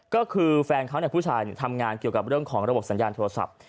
ก็คือแฟนเขาผู้ชายทำงานเกี่ยวกับเรื่องของระบบสัญญาณโทรศัพท์